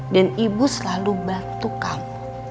dan ibu selalu bantu kamu